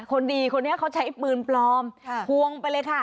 คนดีคนนี้เขาใช้ปืนปลอมพวงไปเลยค่ะ